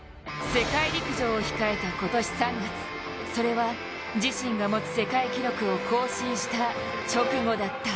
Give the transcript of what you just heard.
世界陸上を控えた今年３月、それは自身が持つ世界記録を更新した直後だった。